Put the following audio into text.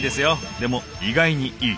でも意外にいい！